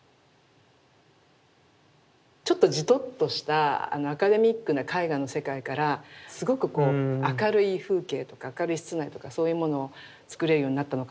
ちょっとジトッとしたアカデミックな絵画の世界からすごく明るい風景とか明るい室内とかそういうものをつくれるようになったのかな。